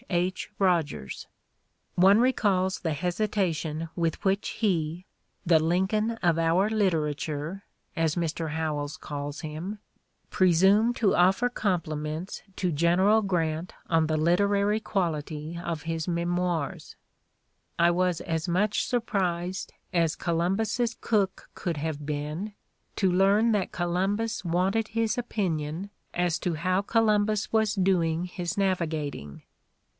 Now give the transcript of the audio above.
H. Rogers. One recalls the hesitation with which he, "the Lincoln of our literature," as Mr. Howells calls him, presumed to offer compliments to General Grant on the literary quality of his Memoirs: "I was as much surprised as Columbus's cook could have been to learn that Columbus wanted his opinion as to how Columbus was doing his navigating."